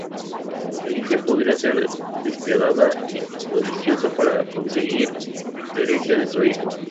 Alicia podía ser despiadada y codiciosa para conseguir la herencia de su hijo.